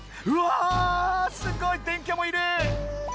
うわすごい電キャもいる！